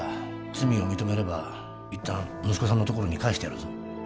罪を認めれば一旦息子さんのところに帰してやるぞ